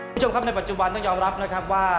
คุณผู้ชมครับในปัจจุบันต้องยอมรับนะครับว่า